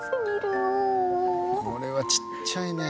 「これはちっちゃいね」